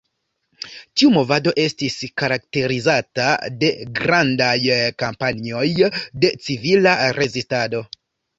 Tiu movado estis karakterizata de grandaj kampanjoj de civila rezistado.